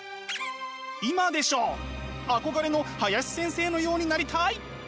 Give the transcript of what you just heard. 憧れの林先生のようになりたい！